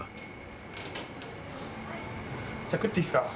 じゃあ食っていいですか？